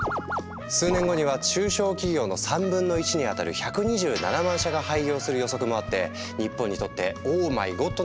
数年後には中小企業の３分の１に当たる１２７万社が廃業する予測もあって日本にとって「オーマイゴッド！」